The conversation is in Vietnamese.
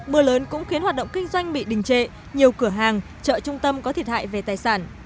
mưa lớn cũng khiến hoạt động kinh doanh bị đình trệ nhiều cửa hàng chợ trung tâm có thiệt hại về tài sản